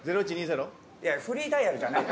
いやフリーダイヤルじゃない。